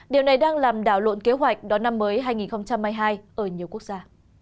điều này đang làm đảo lộn kế hoạch đón năm mới hai nghìn hai mươi hai ở nhiều quốc gia